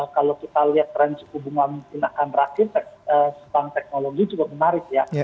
kalau kita lihat trend hubungan kinerja dan rahim sebuah teknologi cukup menarik ya